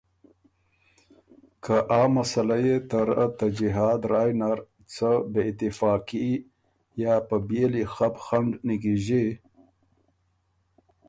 که آ مسلۀ يې ته رۀ ته جهاد رایٛ نر څه بې اتفاقي یا په بيېلی خپ خنډ نیکیݫی۔